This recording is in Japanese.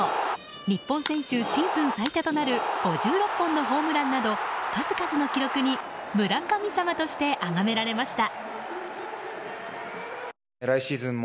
日本選手シーズン最多となる５６本のホームランなど数々の記録に村神様としてあがめられました。